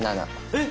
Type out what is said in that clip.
えっ！